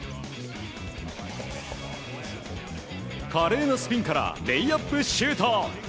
華麗なスピンからレイアップシュート。